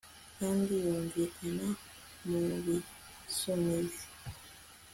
kandi yumvikana mubisumizi